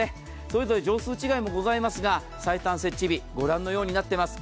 それぞれ畳数違いもございますが最短設置日ご覧のようになっています。